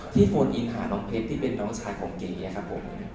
โฟนอินค่ะน้องเพชรที่เป็นน้องชายของเก๋ครับผม